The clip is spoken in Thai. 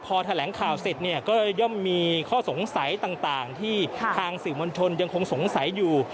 พอแถลงข่าวเสร็จก็ย่อมมีข้อสงสัยต่างที่ทางสิมวัญชนศักดิ์ยังคงสงสัยอยู่